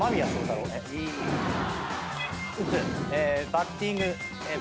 バッティング。